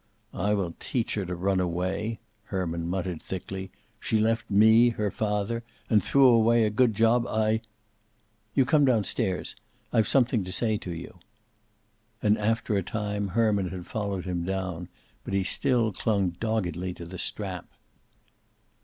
"I will teach her to run away," Herman muttered thickly. "She left me, her father, and threw away a good job I " "You come down stairs. I've something to say to you." And, after a time, Herman had followed him down, but he still clung doggedly to the strap.